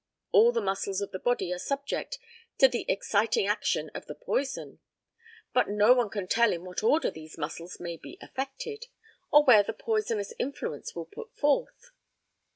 All the muscles of the body are subject to the exciting action of the poison. But no one can tell in what order these muscles may be affected, or where the poisonous influence will put forth.